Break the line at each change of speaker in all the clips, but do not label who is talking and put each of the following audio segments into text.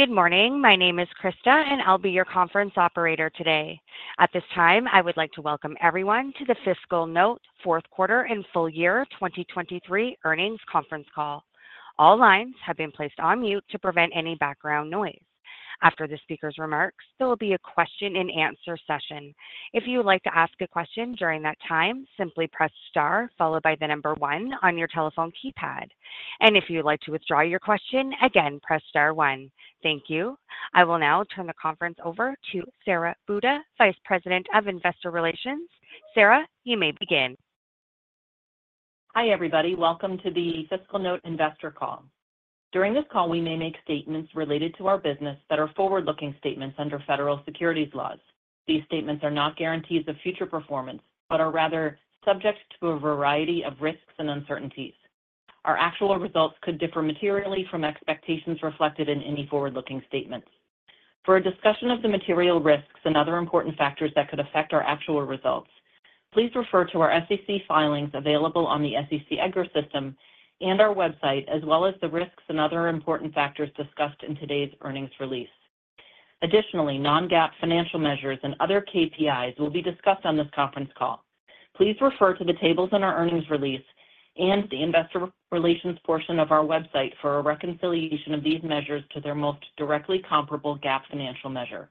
Good morning. My name is Krista, and I'll be your conference operator today. At this time, I would like to welcome everyone to the FiscalNote fourth quarter and full year 2023 earnings conference call. All lines have been placed on mute to prevent any background noise. After the speaker's remarks, there will be a question-and-answer session. If you would like to ask a question during that time, simply press star followed by the number one on your telephone keypad. And if you would like to withdraw your question, again, press star one. Thank you. I will now turn the conference over to Sara Buda, Vice President of Investor Relations. Sara, you may begin.
Hi everybody. Welcome to the FiscalNote investor call. During this call, we may make statements related to our business that are forward-looking statements under federal securities laws. These statements are not guarantees of future performance but are rather subject to a variety of risks and uncertainties. Our actual results could differ materially from expectations reflected in any forward-looking statements. For a discussion of the material risks and other important factors that could affect our actual results, please refer to our SEC filings available on the SEC EDGAR System and our website as well as the risks and other important factors discussed in today's earnings release. Additionally, non-GAAP financial measures and other KPIs will be discussed on this conference call. Please refer to the tables in our earnings release and the investor relations portion of our website for a reconciliation of these measures to their most directly comparable GAAP financial measure.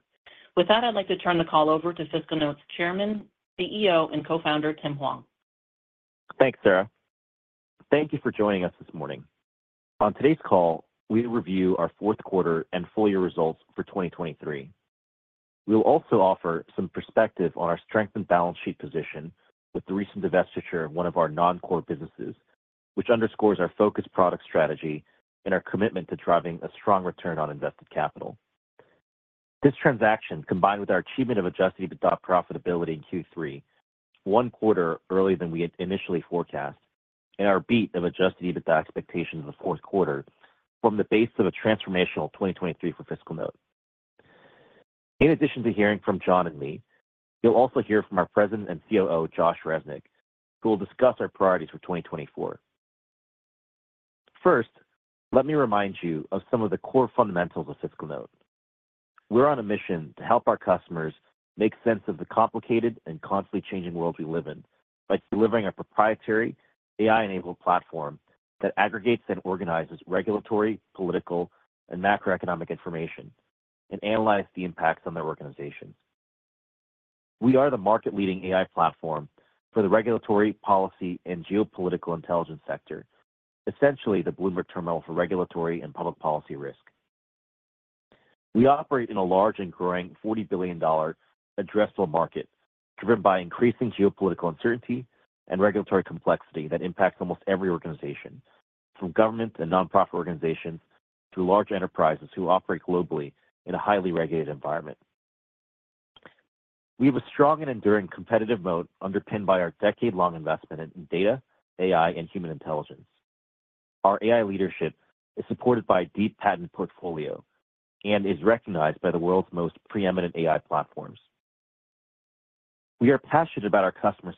With that, I'd like to turn the call over to FiscalNote's Chairman, CEO, and Co-founder, Tim Hwang.
Thanks, Sara. Thank you for joining us this morning. On today's call, we review our fourth quarter and full year results for 2023. We will also offer some perspective on our strengthened balance sheet position with the recent divestiture of one of our non-core businesses, which underscores our focused product strategy and our commitment to driving a strong return on invested capital. This transaction, combined with our achievement of Adjusted EBITDA profitability in Q3 one quarter earlier than we initially forecast and our beat of Adjusted EBITDA expectations in the fourth quarter, formed the base of a transformational 2023 for FiscalNote. In addition to hearing from Jon and me, you'll also hear from our President and COO, Josh Resnik, who will discuss our priorities for 2024. First, let me remind you of some of the core fundamentals of FiscalNote. We're on a mission to help our customers make sense of the complicated and constantly changing world we live in by delivering a proprietary AI-enabled platform that aggregates and organizes regulatory, political, and macroeconomic information and analyzes the impacts on their organizations. We are the market-leading AI platform for the regulatory, policy, and geopolitical intelligence sector, essentially the Bloomberg terminal for regulatory and public policy risk. We operate in a large and growing $40 billion addressable market driven by increasing geopolitical uncertainty and regulatory complexity that impacts almost every organization, from government and nonprofit organizations to large enterprises who operate globally in a highly regulated environment. We have a strong and enduring competitive moat underpinned by our decade-long investment in data, AI, and human intelligence. Our AI leadership is supported by a deep patent portfolio and is recognized by the world's most preeminent AI platforms. We are passionate about our customer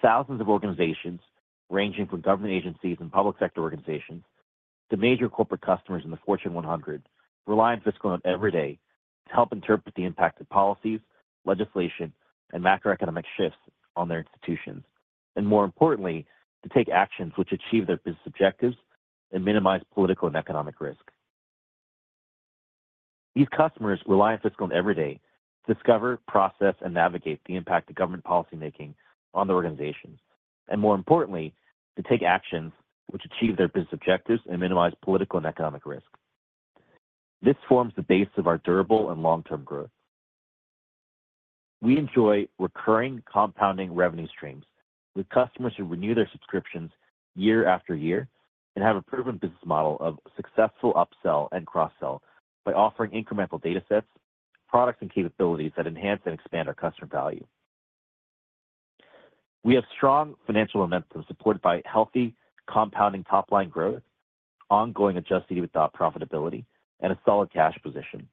success. Thousands of organizations, ranging from government agencies and public sector organizations to major corporate customers in the Fortune 100, rely on FiscalNote every day to help interpret the impact of policies, legislation, and macroeconomic shifts on their institutions, and more importantly, to take actions which achieve their business objectives and minimize political and economic risk. These customers rely on FiscalNote every day to discover, process, and navigate the impact of government policymaking on their organizations, and more importantly, to take actions which achieve their business objectives and minimize political and economic risk. This forms the base of our durable and long-term growth. We enjoy recurring, compounding revenue streams with customers who renew their subscriptions year after year and have a proven business model of successful upsell and cross-sell by offering incremental data sets, products, and capabilities that enhance and expand our customer value. We have strong financial momentum supported by healthy, compounding top-line growth, ongoing Adjusted EBITDA profitability, and a solid cash position.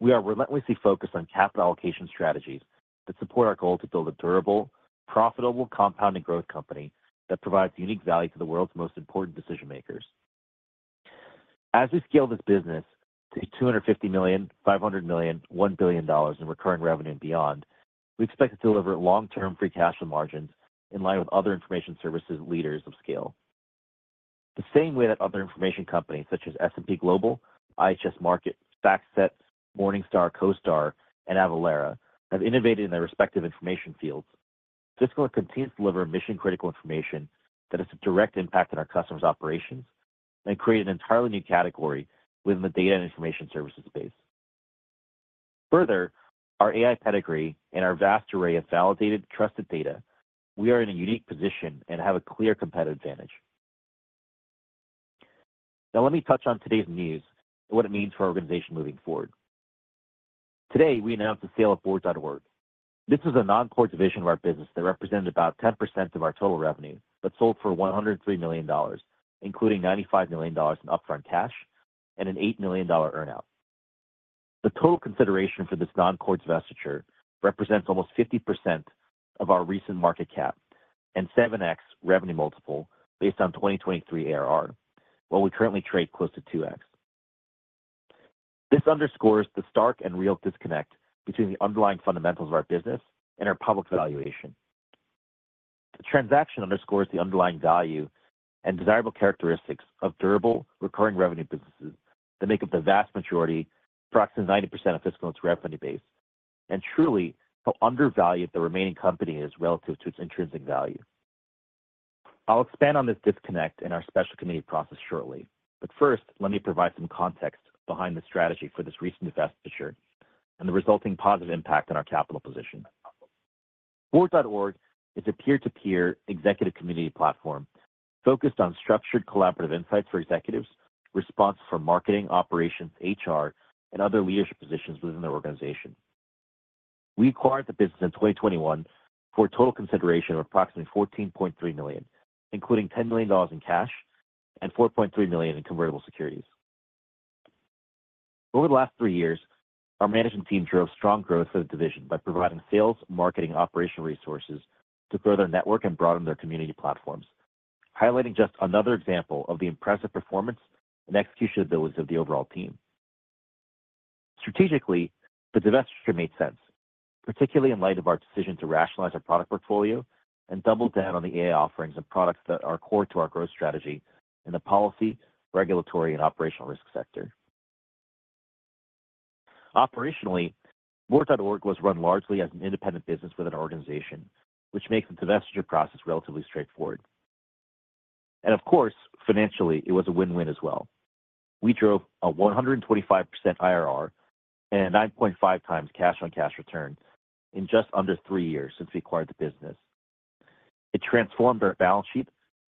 We are relentlessly focused on capital allocation strategies that support our goal to build a durable, profitable, compounding growth company that provides unique value to the world's most important decision-makers. As we scale this business to $250 million, $500 million, $1 billion, and recurring revenue and beyond, we expect to deliver long-term free cash on margins in line with other information services leaders of scale. The same way that other information companies such as S&P Global, IHS Markit, FactSet, Morningstar, CoStar, and Avalara have innovated in their respective information fields, FiscalNote continues to deliver mission-critical information that has a direct impact on our customers' operations and create an entirely new category within the data and information services space. Further, our AI pedigree and our vast array of validated, trusted data, we are in a unique position and have a clear competitive advantage. Now, let me touch on today's news and what it means for our organization moving forward. Today, we announced the sale of Board.org. This was a non-core division of our business that represented about 10% of our total revenue but sold for $103 million, including $95 million in upfront cash and an $8 million earnout. The total consideration for this non-core divestiture represents almost 50% of our recent market cap and 7x revenue multiple based on 2023 ARR, while we currently trade close to 2x. This underscores the stark and real disconnect between the underlying fundamentals of our business and our public valuation. The transaction underscores the underlying value and desirable characteristics of durable, recurring revenue businesses that make up the vast majority, approximately 90% of FiscalNote's revenue base, and truly how undervalued the remaining company is relative to its intrinsic value. I'll expand on this disconnect in our special committee process shortly, but first, let me provide some context behind the strategy for this recent divestiture and the resulting positive impact on our capital position. Board.org is a peer-to-peer executive community platform focused on structured collaborative insights for executives, responses from marketing, operations, HR, and other leadership positions within their organization. We acquired the business in 2021 for a total consideration of approximately $14.3 million, including $10 million in cash and $4.3 million in convertible securities. Over the last three years, our management team drove strong growth for the division by providing sales, marketing, and operational resources to grow their network and broaden their community platforms, highlighting just another example of the impressive performance and execution abilities of the overall team. Strategically, the divestiture made sense, particularly in light of our decision to rationalize our product portfolio and double down on the AI offerings and products that are core to our growth strategy in the policy, regulatory, and operational risk sector. Operationally, board.org was run largely as an independent business within our organization, which makes the divestiture process relatively straightforward. And of course, financially, it was a win-win as well. We drove a 125% IRR and a 9.5x cash-on-cash return in just under three years since we acquired the business. It transformed our balance sheet,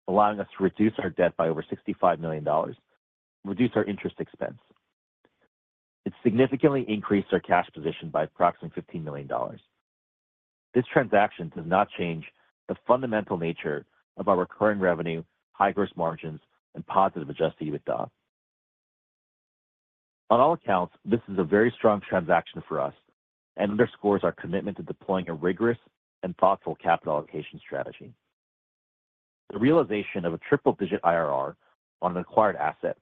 allowing us to reduce our debt by over $65 million and reduce our interest expense. It significantly increased our cash position by approximately $15 million. This transaction does not change the fundamental nature of our recurring revenue, high-growth margins, and positive adjusted EBITDA. On all accounts, this is a very strong transaction for us and underscores our commitment to deploying a rigorous and thoughtful capital allocation strategy. The realization of a triple-digit IRR on an acquired asset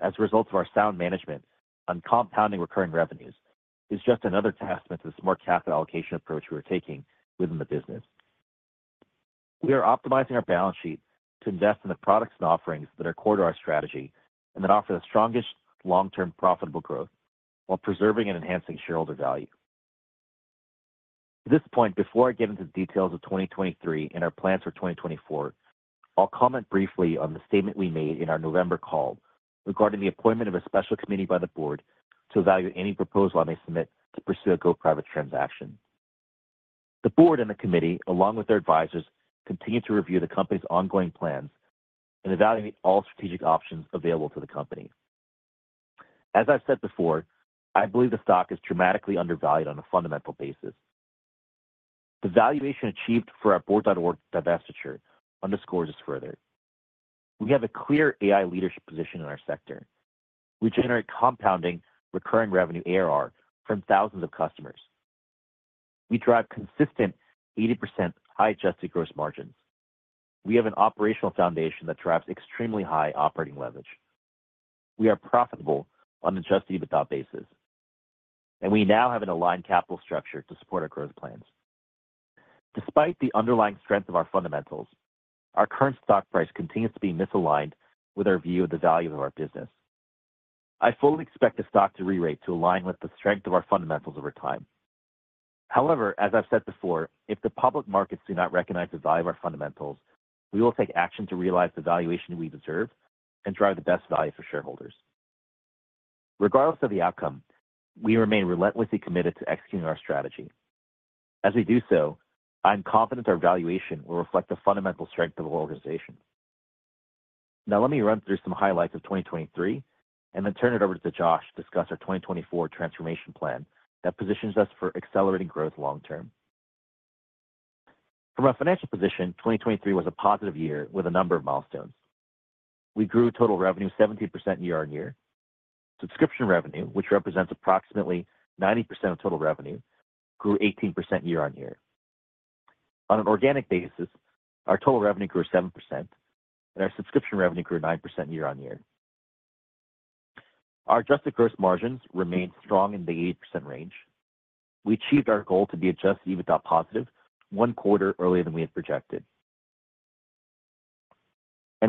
as a result of our sound management on compounding recurring revenues is just another testament to the smart capital allocation approach we were taking within the business. We are optimizing our balance sheet to invest in the products and offerings that are core to our strategy and that offer the strongest long-term profitable growth while preserving and enhancing shareholder value. At this point, before I get into the details of 2023 and our plans for 2024, I'll comment briefly on the statement we made in our November call regarding the appointment of a special committee by the board to evaluate any proposal I may submit to pursue a go-private transaction. The board and the committee, along with their advisors, continue to review the company's ongoing plans and evaluate all strategic options available to the company. As I've said before, I believe the stock is dramatically undervalued on a fundamental basis. The valuation achieved for our board.org divestiture underscores this further. We have a clear AI leadership position in our sector. We generate compounding recurring revenue ARR from thousands of customers. We drive consistent 80% high-adjusted gross margins. We have an operational foundation that drives extremely high operating leverage. We are profitable on an Adjusted EBITDA basis, and we now have an aligned capital structure to support our growth plans. Despite the underlying strength of our fundamentals, our current stock price continues to be misaligned with our view of the value of our business. I fully expect the stock to re-rate to align with the strength of our fundamentals over time. However, as I've said before, if the public markets do not recognize the value of our fundamentals, we will take action to realize the valuation we deserve and drive the best value for shareholders. Regardless of the outcome, we remain relentlessly committed to executing our strategy. As we do so, I'm confident our valuation will reflect the fundamental strength of our organization. Now, let me run through some highlights of 2023 and then turn it over to Josh to discuss our 2024 transformation plan that positions us for accelerating growth long-term. From a financial position, 2023 was a positive year with a number of milestones. We grew total revenue 70% year-over-year. Subscription revenue, which represents approximately 90% of total revenue, grew 18% year-over-year. On an organic basis, our total revenue grew 7%, and our subscription revenue grew 9% year-over-year. Our adjusted gross margins remained strong in the 80% range. We achieved our goal to be Adjusted EBITDA positive one quarter earlier than we had projected.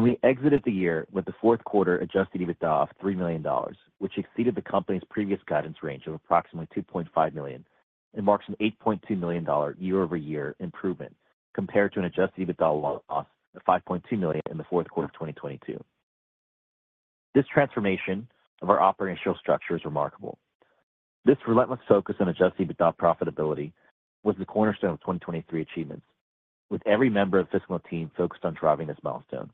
We exited the year with the fourth quarter adjusted EBITDA of $3 million, which exceeded the company's previous guidance range of approximately $2.5 million and marks an $8.2 million year-over-year improvement compared to an adjusted EBITDA loss of $5.2 million in the fourth quarter of 2022. This transformation of our operational structure is remarkable. This relentless focus on adjusted EBITDA profitability was the cornerstone of 2023 achievements, with every member of the FiscalNote team focused on driving this milestone.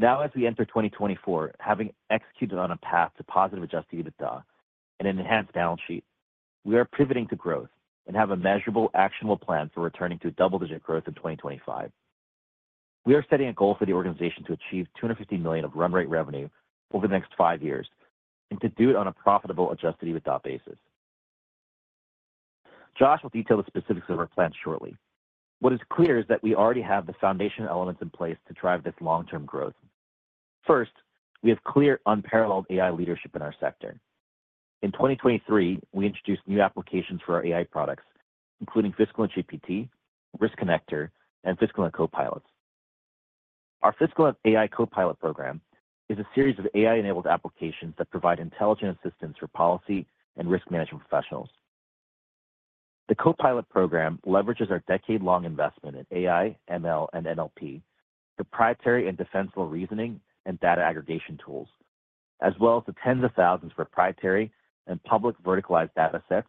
Now, as we enter 2024, having executed on a path to positive adjusted EBITDA and an enhanced balance sheet, we are pivoting to growth and have a measurable, actionable plan for returning to double-digit growth in 2025. We are setting a goal for the organization to achieve $250 million of run-rate revenue over the next five years and to do it on a profitable adjusted EBITDA basis. Josh will detail the specifics of our plan shortly. What is clear is that we already have the foundation elements in place to drive this long-term growth. First, we have clear, unparalleled AI leadership in our sector. In 2023, we introduced new applications for our AI products, including FiscalNote GPT, Risk Connector, and FiscalNote Copilot. Our FiscalNote AI Copilot program is a series of AI-enabled applications that provide intelligent assistance for policy and risk management professionals. The Copilot program leverages our decade-long investment in AI, ML, and NLP, proprietary and defensible reasoning, and data aggregation tools, as well as the tens of thousands of proprietary and public verticalized data sets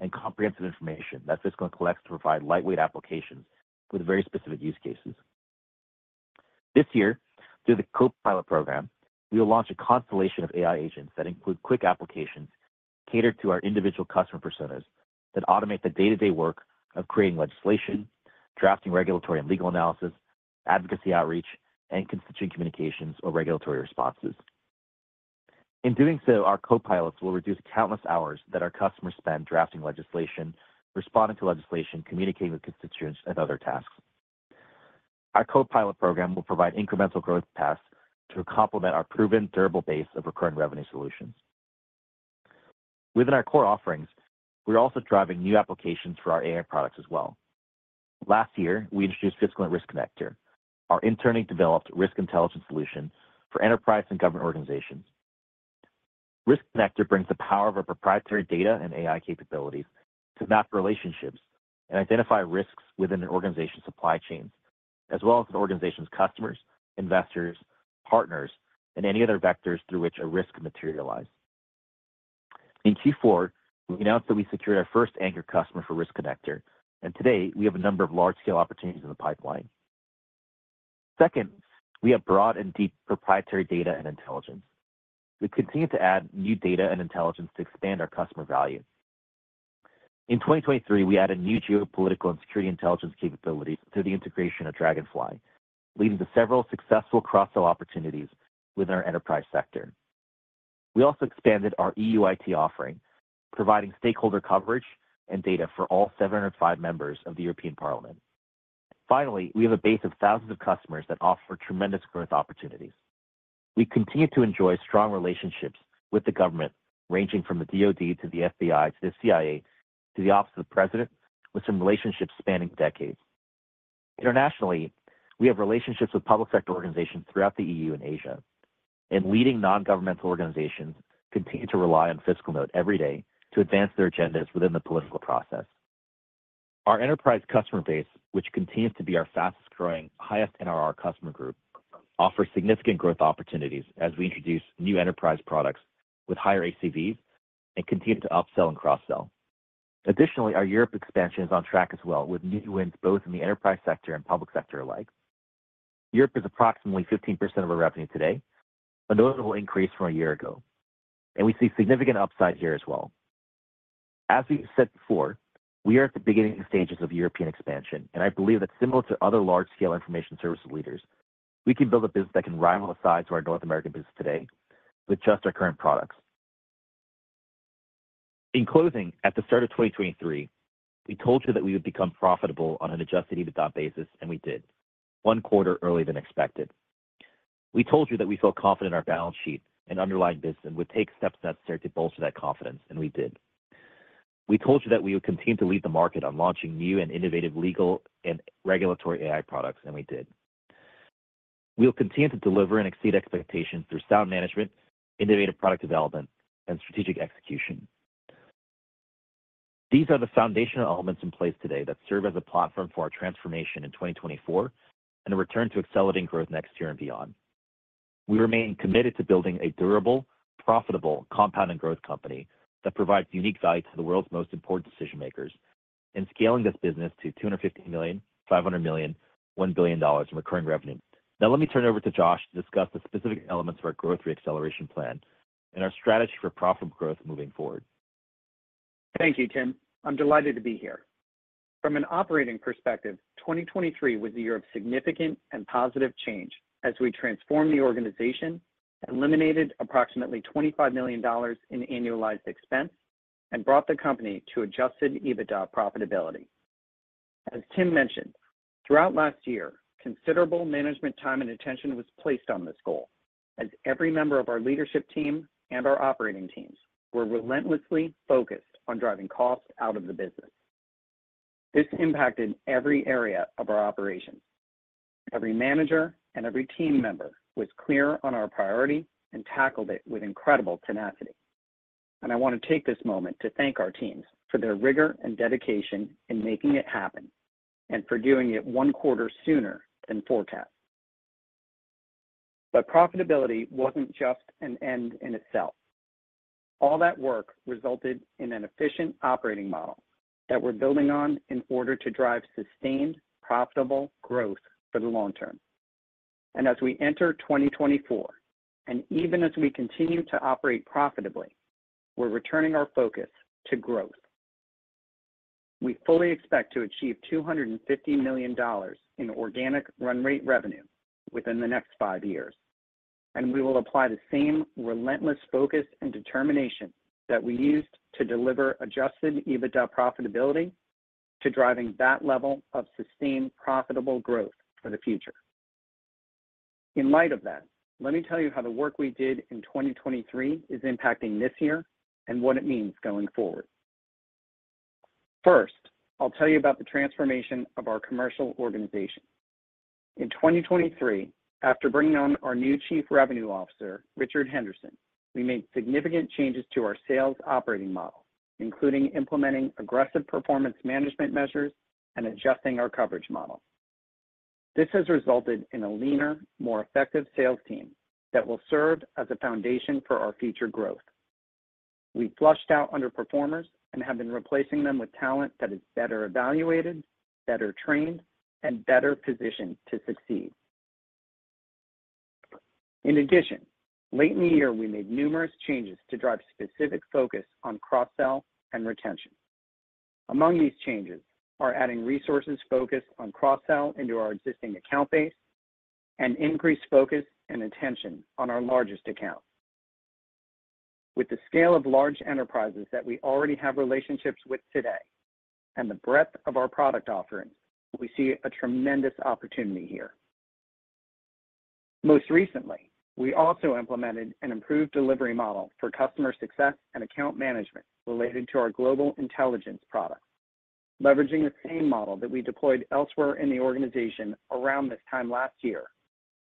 and comprehensive information that FiscalNote collects to provide lightweight applications with very specific use cases. This year, through the Copilot program, we will launch a constellation of AI agents that include quick applications catered to our individual customer personas that automate the day-to-day work of creating legislation, drafting regulatory and legal analysis, advocacy outreach, and constituent communications or regulatory responses. In doing so, our Copilots will reduce countless hours that our customers spend drafting legislation, responding to legislation, communicating with constituents, and other tasks. Our Copilot program will provide incremental growth paths to complement our proven, durable base of recurring revenue solutions. Within our core offerings, we're also driving new applications for our AI products as well. Last year, we introduced FiscalNote Risk Connector, our internally developed risk intelligence solution for enterprise and government organizations. Risk Connector brings the power of our proprietary data and AI capabilities to map relationships and identify risks within an organization's supply chains, as well as an organization's customers, investors, partners, and any other vectors through which a risk materializes. In Q4, we announced that we secured our first anchor customer for Risk Connector, and today, we have a number of large-scale opportunities in the pipeline. Second, we have broad and deep proprietary data and intelligence. We continue to add new data and intelligence to expand our customer value. In 2023, we added new geopolitical and security intelligence capabilities through the integration of Dragonfly, leading to several successful cross-sell opportunities within our enterprise sector. We also expanded our EUIT offering, providing stakeholder coverage and data for all 705 members of the European Parliament. Finally, we have a base of thousands of customers that offer tremendous growth opportunities. We continue to enjoy strong relationships with the government, ranging from the DOD to the FBI to the CIA to the Office of the President, with some relationships spanning decades. Internationally, we have relationships with public sector organizations throughout the EU and Asia, and leading non-governmental organizations continue to rely on FiscalNote every day to advance their agendas within the political process. Our enterprise customer base, which continues to be our fastest-growing, highest NRR customer group, offers significant growth opportunities as we introduce new enterprise products with higher ACVs and continue to upsell and cross-sell. Additionally, our Europe expansion is on track as well, with new wins both in the enterprise sector and public sector alike. Europe is approximately 15% of our revenue today, a notable increase from a year ago, and we see significant upside here as well. As we said before, we are at the beginning stages of European expansion, and I believe that, similar to other large-scale information services leaders, we can build a business that can rival the size of our North American business today with just our current products. In closing, at the start of 2023, we told you that we would become profitable on an Adjusted EBITDA basis, and we did, one quarter earlier than expected. We told you that we felt confident in our balance sheet and underlying business and would take steps necessary to bolster that confidence, and we did. We told you that we would continue to lead the market on launching new and innovative legal and regulatory AI products, and we did. We will continue to deliver and exceed expectations through sound management, innovative product development, and strategic execution. These are the foundational elements in place today that serve as a platform for our transformation in 2024 and a return to accelerating growth next year and beyond. We remain committed to building a durable, profitable, compounding growth company that provides unique value to the world's most important decision-makers and scaling this business to $250 million, $500 million, $1 billion in recurring revenue. Now, let me turn it over to Josh to discuss the specific elements of our growth reacceleration plan and our strategy for profitable growth moving forward.
Thank you, Tim. I'm delighted to be here. From an operating perspective, 2023 was a year of significant and positive change as we transformed the organization, eliminated approximately $25 million in annualized expense, and brought the company to Adjusted EBITDA profitability. As Tim mentioned, throughout last year, considerable management time and attention was placed on this goal, as every member of our leadership team and our operating teams were relentlessly focused on driving costs out of the business. This impacted every area of our operations. Every manager and every team member was clear on our priority and tackled it with incredible tenacity. I want to take this moment to thank our teams for their rigor and dedication in making it happen and for doing it one quarter sooner than forecast. Profitability wasn't just an end in itself. All that work resulted in an efficient operating model that we're building on in order to drive sustained, profitable growth for the long term. As we enter 2024, and even as we continue to operate profitably, we're returning our focus to growth. We fully expect to achieve $250 million in organic run-rate revenue within the next five years, and we will apply the same relentless focus and determination that we used to deliver Adjusted EBITDA profitability to driving that level of sustained, profitable growth for the future. In light of that, let me tell you how the work we did in 2023 is impacting this year and what it means going forward. First, I'll tell you about the transformation of our commercial organization. In 2023, after bringing on our new Chief Revenue Officer, Richard Henderson, we made significant changes to our sales operating model, including implementing aggressive performance management measures and adjusting our coverage model. This has resulted in a leaner, more effective sales team that will serve as a foundation for our future growth. We flushed out underperformers and have been replacing them with talent that is better evaluated, better trained, and better positioned to succeed. In addition, late in the year, we made numerous changes to drive specific focus on cross-sell and retention. Among these changes are adding resources focused on cross-sell into our existing account base and increased focus and attention on our largest account. With the scale of large enterprises that we already have relationships with today and the breadth of our product offerings, we see a tremendous opportunity here. Most recently, we also implemented an improved delivery model for customer success and account management related to our global intelligence product, leveraging the same model that we deployed elsewhere in the organization around this time last year,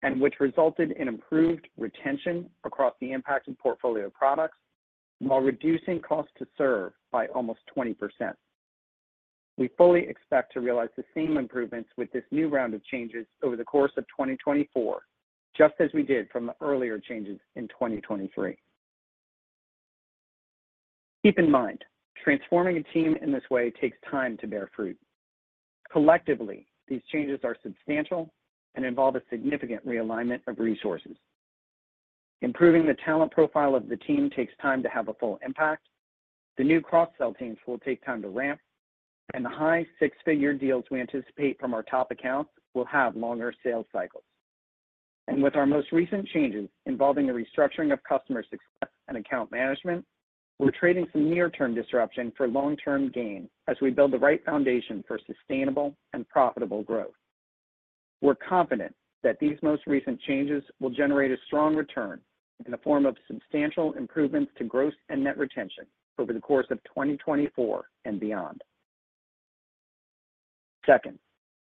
and which resulted in improved retention across the impacted portfolio products while reducing cost to serve by almost 20%. We fully expect to realize the same improvements with this new round of changes over the course of 2024, just as we did from the earlier changes in 2023. Keep in mind, transforming a team in this way takes time to bear fruit. Collectively, these changes are substantial and involve a significant realignment of resources. Improving the talent profile of the team takes time to have a full impact. The new cross-sell teams will take time to ramp, and the high six-figure deals we anticipate from our top accounts will have longer sales cycles. With our most recent changes involving the restructuring of customer success and account management, we're trading some near-term disruption for long-term gain as we build the right foundation for sustainable and profitable growth. We're confident that these most recent changes will generate a strong return in the form of substantial improvements to gross and net retention over the course of 2024 and beyond. Second,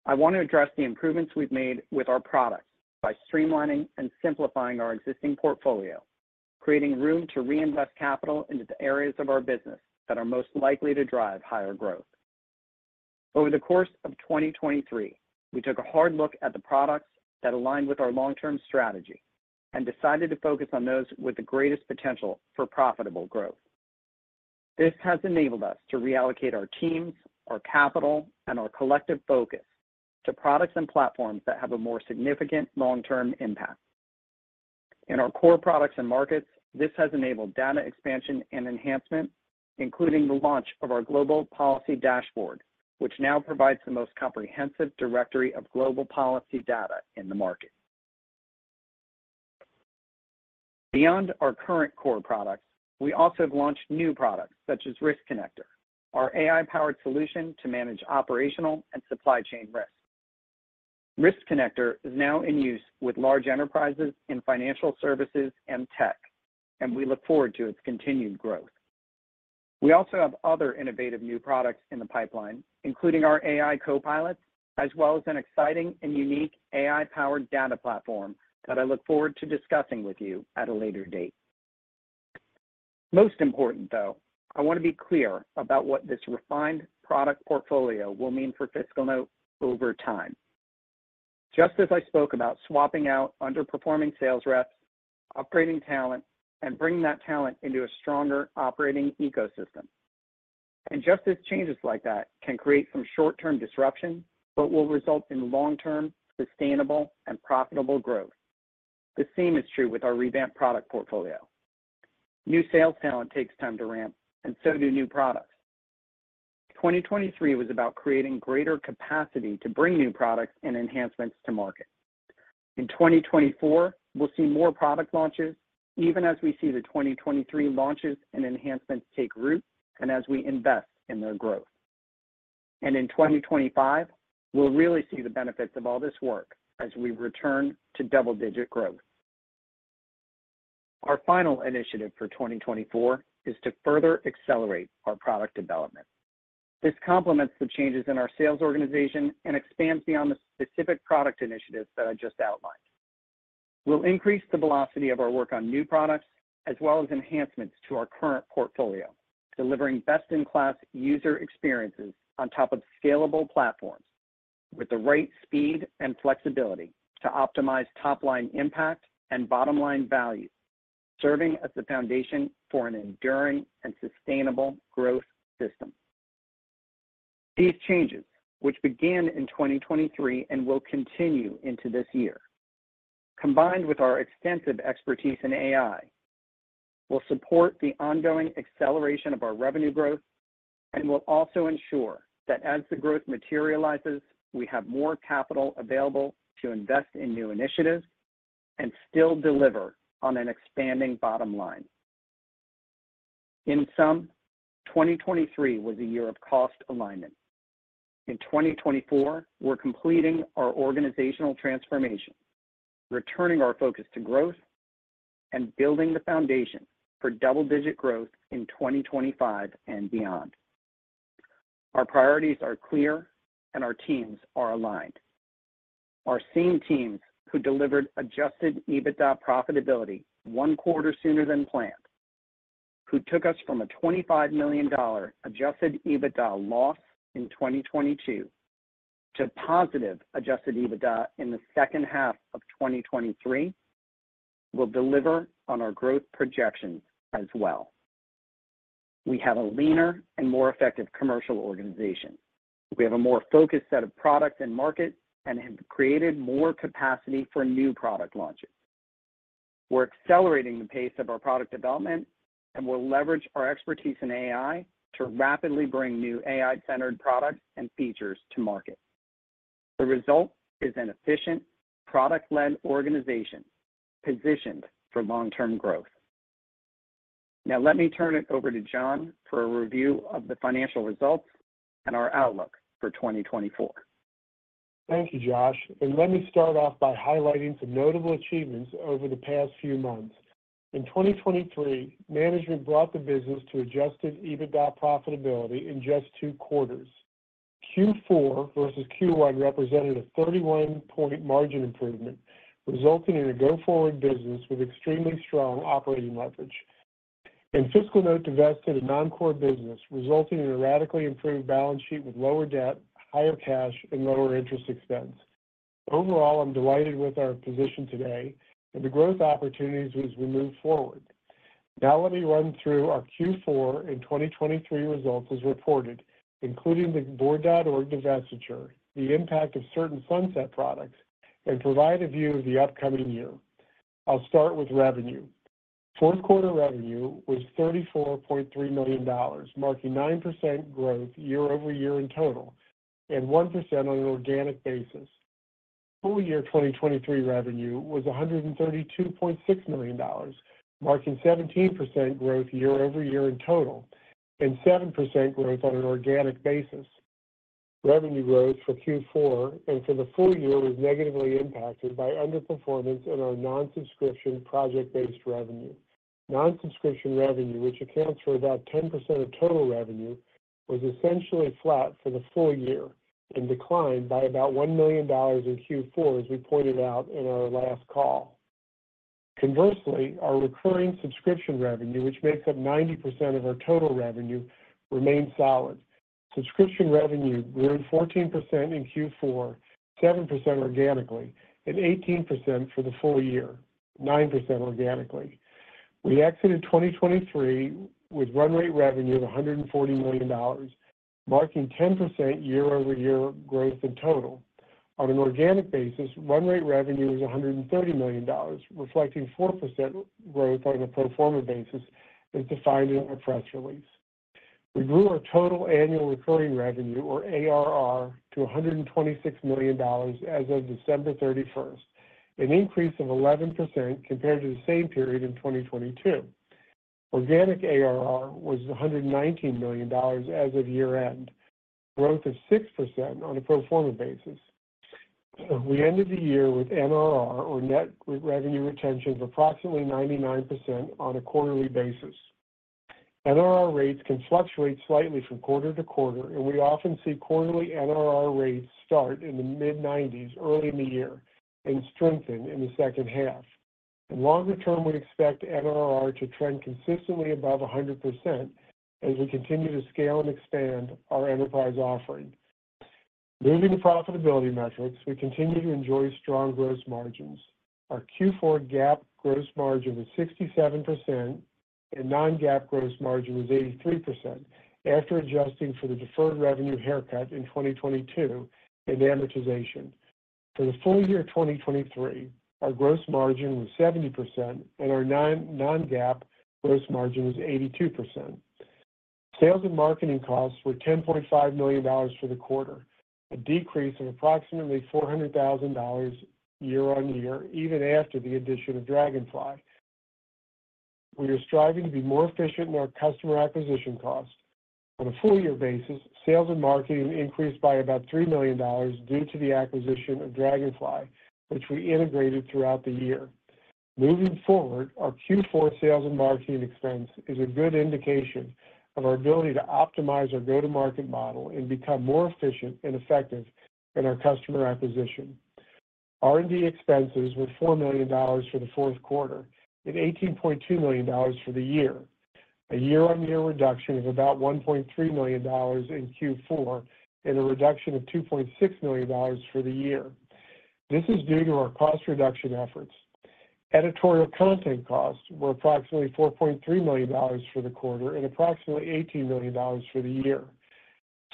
I want to address the improvements we've made with our products by streamlining and simplifying our existing portfolio, creating room to reinvest capital into the areas of our business that are most likely to drive higher growth. Over the course of 2023, we took a hard look at the products that aligned with our long-term strategy and decided to focus on those with the greatest potential for profitable growth. This has enabled us to reallocate our teams, our capital, and our collective focus to products and platforms that have a more significant long-term impact. In our core products and markets, this has enabled data expansion and enhancement, including the launch of our Global Policy Dashboard, which now provides the most comprehensive directory of global policy data in the market. Beyond our current core products, we also have launched new products such as Risk Connector, our AI-powered solution to manage operational and supply chain risks. Risk Connector is now in use with large enterprises in financial services and tech, and we look forward to its continued growth. We also have other innovative new products in the pipeline, including our AI Copilots, as well as an exciting and unique AI-powered data platform that I look forward to discussing with you at a later date. Most important, though, I want to be clear about what this refined product portfolio will mean for FiscalNote over time, just as I spoke about swapping out underperforming sales reps, upgrading talent, and bringing that talent into a stronger operating ecosystem. Just as changes like that can create some short-term disruption but will result in long-term, sustainable, and profitable growth, the same is true with our revamped product portfolio. New sales talent takes time to ramp, and so do new products. 2023 was about creating greater capacity to bring new products and enhancements to market. In 2024, we'll see more product launches, even as we see the 2023 launches and enhancements take root and as we invest in their growth. In 2025, we'll really see the benefits of all this work as we return to double-digit growth. Our final initiative for 2024 is to further accelerate our product development. This complements the changes in our sales organization and expands beyond the specific product initiatives that I just outlined. We'll increase the velocity of our work on new products as well as enhancements to our current portfolio, delivering best-in-class user experiences on top of scalable platforms with the right speed and flexibility to optimize top-line impact and bottom-line value, serving as the foundation for an enduring and sustainable growth system. These changes, which began in 2023 and will continue into this year, combined with our extensive expertise in AI, will support the ongoing acceleration of our revenue growth and will also ensure that as the growth materializes, we have more capital available to invest in new initiatives and still deliver on an expanding bottom line. In sum, 2023 was a year of cost alignment. In 2024, we're completing our organizational transformation, returning our focus to growth, and building the foundation for double-digit growth in 2025 and beyond. Our priorities are clear, and our teams are aligned. Our same teams who delivered Adjusted EBITDA profitability one quarter sooner than planned, who took us from a $25 million Adjusted EBITDA loss in 2022 to positive Adjusted EBITDA in the second half of 2023, will deliver on our growth projections as well. We have a leaner and more effective commercial organization. We have a more focused set of products and markets and have created more capacity for new product launches. We're accelerating the pace of our product development, and we'll leverage our expertise in AI to rapidly bring new AI-centered products and features to market. The result is an efficient, product-led organization positioned for long-term growth. Now, let me turn it over to Jon for a review of the financial results and our outlook for 2024.
Thank you, Josh. Let me start off by highlighting some notable achievements over the past few months. In 2023, management brought the business to Adjusted EBITDA profitability in just two quarters. Q4 versus Q1 represented a 31-point margin improvement, resulting in a go-forward business with extremely strong operating leverage. FiscalNote divested a non-core business, resulting in a radically improved balance sheet with lower debt, higher cash, and lower interest expense. Overall, I'm delighted with our position today and the growth opportunities as we move forward. Now, let me run through our Q4 and 2023 results as reported, including the board.org divestiture, the impact of certain sunset products, and provide a view of the upcoming year. I'll start with revenue. Fourth quarter revenue was $34.3 million, marking 9% growth year-over-year in total and 1% on an organic basis. Full year 2023 revenue was $132.6 million, marking 17% growth year-over-year in total and 7% growth on an organic basis. Revenue growth for Q4 and for the full year was negatively impacted by underperformance in our non-subscription project-based revenue. Non-subscription revenue, which accounts for about 10% of total revenue, was essentially flat for the full year and declined by about $1 million in Q4, as we pointed out in our last call. Conversely, our recurring subscription revenue, which makes up 90% of our total revenue, remained solid. Subscription revenue grew 14% in Q4, 7% organically, and 18% for the full year, 9% organically. We exited 2023 with run-rate revenue of $140 million, marking 10% year-over-year growth in total. On an organic basis, run-rate revenue was $130 million, reflecting 4% growth on a pro forma basis as defined in our press release. We grew our total annual recurring revenue, or ARR, to $126 million as of December 31st, an increase of 11% compared to the same period in 2022. Organic ARR was $119 million as of year-end, growth of 6% on a pro forma basis. We ended the year with NRR, or net revenue retention, of approximately 99% on a quarterly basis. NRR rates can fluctuate slightly from quarter to quarter, and we often see quarterly NRR rates start in the mid-90s, early in the year, and strengthen in the second half. In longer term, we expect NRR to trend consistently above 100% as we continue to scale and expand our enterprise offering. Moving to profitability metrics, we continue to enjoy strong gross margins. Our Q4 GAAP gross margin was 67%, and non-GAAP gross margin was 83% after adjusting for the deferred revenue haircut in 2022 and amortization. For the full year 2023, our gross margin was 70%, and our non-GAAP gross margin was 82%. Sales and marketing costs were $10.5 million for the quarter, a decrease of approximately $400,000 year-on-year, even after the addition of Dragonfly. We are striving to be more efficient in our customer acquisition costs. On a full year basis, sales and marketing increased by about $3 million due to the acquisition of Dragonfly, which we integrated throughout the year. Moving forward, our Q4 sales and marketing expense is a good indication of our ability to optimize our go-to-market model and become more efficient and effective in our customer acquisition. R&D expenses were $4 million for the fourth quarter and $18.2 million for the year, a year-on-year reduction of about $1.3 million in Q4 and a reduction of $2.6 million for the year. This is due to our cost reduction efforts. Editorial content costs were approximately $4.3 million for the quarter and approximately $18 million for the year.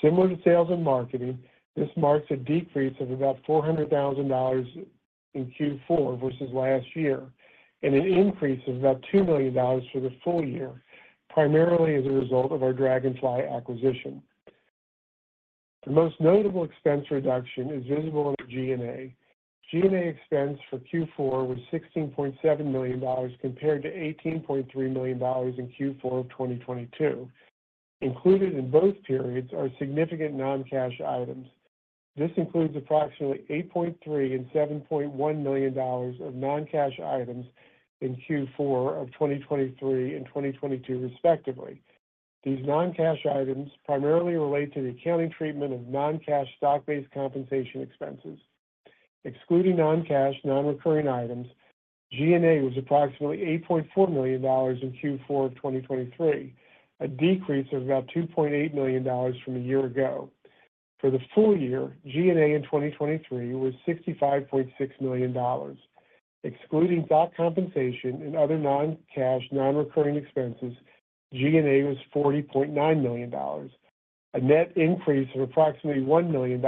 Similar to sales and marketing, this marks a decrease of about $400,000 in Q4 versus last year and an increase of about $2 million for the full year, primarily as a result of our Dragonfly acquisition. The most notable expense reduction is visible in the G&A. G&A expense for Q4 was $16.7 million compared to $18.3 million in Q4 of 2022. Included in both periods are significant non-cash items. This includes approximately $8.3 and $7.1 million of non-cash items in Q4 of 2023 and 2022, respectively. These non-cash items primarily relate to the accounting treatment of non-cash stock-based compensation expenses. Excluding non-cash, non-recurring items, G&A was approximately $8.4 million in Q4 of 2023, a decrease of about $2.8 million from a year ago. For the full year, G&A in 2023 was $65.6 million. Excluding stock compensation and other non-cash, non-recurring expenses, G&A was $40.9 million, a net increase of approximately $1 million,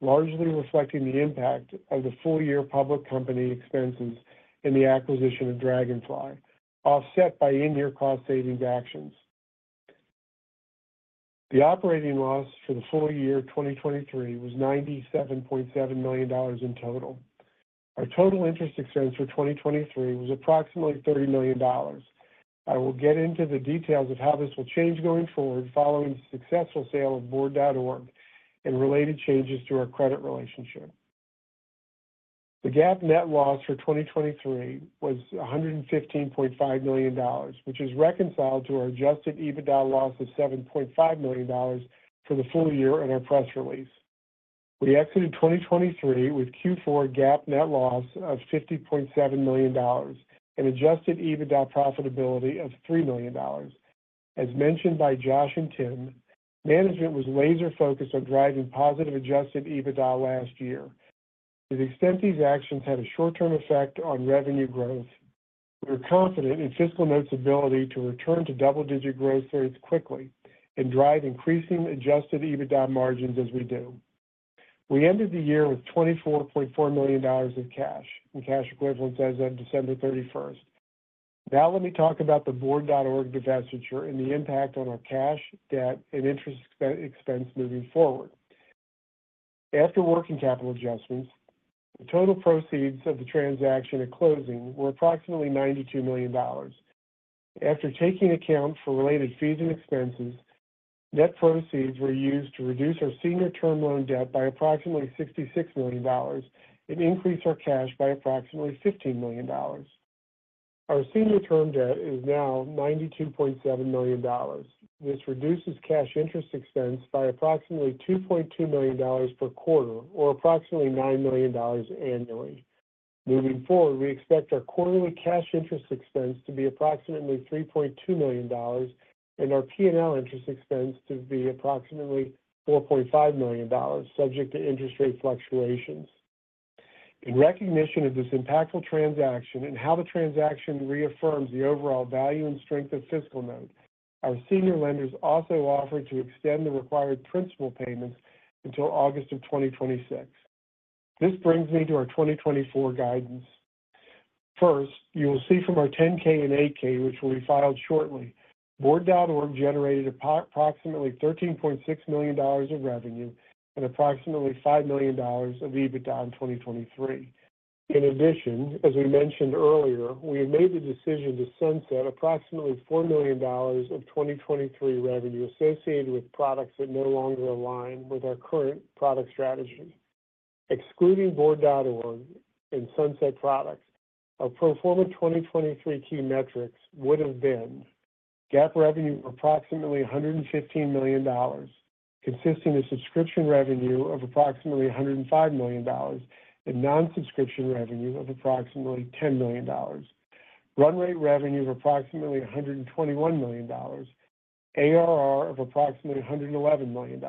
largely reflecting the impact of the full year public company expenses in the acquisition of Dragonfly, offset by in-year cost savings actions. The operating loss for the full year 2023 was $97.7 million in total. Our total interest expense for 2023 was approximately $30 million. I will get into the details of how this will change going forward following the successful sale of board.org and related changes to our credit relationship. The GAAP net loss for 2023 was $115.5 million, which is reconciled to our Adjusted EBITDA loss of $7.5 million for the full year and our press release. We exited 2023 with Q4 GAAP net loss of $50.7 million and Adjusted EBITDA profitability of $3 million. As mentioned by Josh and Tim, management was laser-focused on driving positive Adjusted EBITDA last year. To the extent these actions had a short-term effect on revenue growth, we are confident in FiscalNote's ability to return to double-digit growth rates quickly and drive increasing Adjusted EBITDA margins as we do. We ended the year with $24.4 million of cash and cash equivalents as of December 31st. Now, let me talk about the board.org divestiture and the impact on our cash, debt, and interest expense moving forward. After working capital adjustments, the total proceeds of the transaction at closing were approximately $92 million. After taking account for related fees and expenses, net proceeds were used to reduce our senior term loan debt by approximately $66 million and increase our cash by approximately $15 million. Our senior term debt is now $92.7 million. This reduces cash interest expense by approximately $2.2 million per quarter or approximately $9 million annually. Moving forward, we expect our quarterly cash interest expense to be approximately $3.2 million and our P&L interest expense to be approximately $4.5 million, subject to interest rate fluctuations. In recognition of this impactful transaction and how the transaction reaffirms the overall value and strength of FiscalNote, our senior lenders also offered to extend the required principal payments until August of 2026. This brings me to our 2024 guidance. First, you will see from our 10-K and 8-K, which will be filed shortly, board.org generated approximately $13.6 million of revenue and approximately $5 million of EBITDA in 2023. In addition, as we mentioned earlier, we have made the decision to sunset approximately $4 million of 2023 revenue associated with products that no longer align with our current product strategy. Excluding board.org and sunset products, our pro forma 2023 key metrics would have been GAAP revenue of approximately $115 million, consisting of subscription revenue of approximately $105 million and non-subscription revenue of approximately $10 million, run-rate revenue of approximately $121 million, ARR of approximately $111 million,